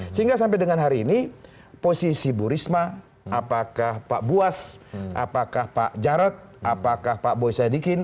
sehingga sampai dengan hari ini posisi bu risma apakah pak buas apakah pak jarod apakah pak boy sadikin